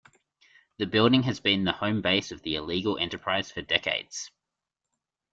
The building has been the home base of the illegal enterprise for decades.